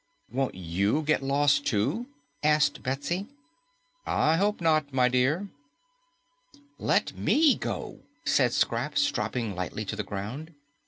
"Won't YOU get lost, too?" asked Betsy. "I hope not, my dear." "Let ME go," said Scraps, dropping lightly to the ground.